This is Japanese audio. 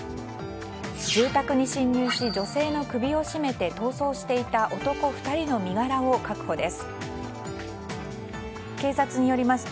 住宅に侵入し女性の首を絞めて逃走していた男２人の身柄を確保です。